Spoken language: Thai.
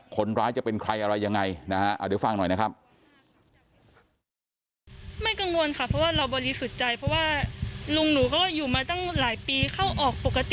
คนร้ายจะเป็นใครอะไรยังไงนะฮะเดี๋ยวฟังหน่อยนะครับ